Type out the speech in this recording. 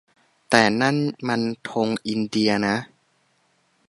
แต่นั่นมันธงอินเดียนะ